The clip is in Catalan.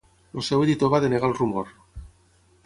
El seu editor va denegar el rumor.